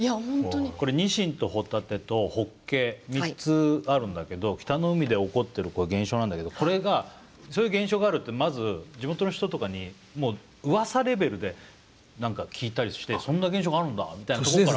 これニシンとホタテとホッケ３つあるんだけど北の海で起こっている現象なんだけどこれがそういう現象があるっていうのがまず地元の人とかにもううわさレベルで何か聞いたりしてそんな現象があるんだみたいなところから。